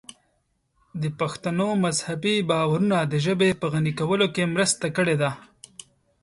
د پښتنو مذهبي باورونو د ژبې په غني کولو کې مرسته کړې ده.